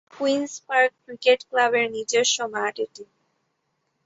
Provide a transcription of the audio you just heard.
Queen's Park cricket ক্লাবের নিজস্ব মাঠ এটি।